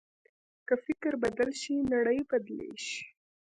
که فکر بدل شي، نړۍ بدلېږي.